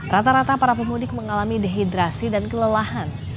rata rata para pemudik mengalami dehidrasi dan kelelahan